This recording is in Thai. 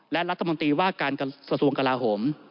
และรัฐมนตรีว่าการกระทรวงกลาโหม